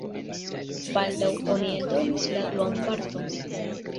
Baldaŭ oni eldonis la duan parton.